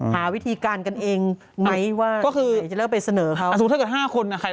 หาวิธีการกันเองไหนว่าจะเลิกไปเสนอเขา